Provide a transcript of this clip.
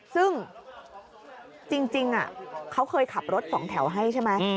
ซึ่งจริงเขาเคยขับรถสองแถวให้ใช่ไหม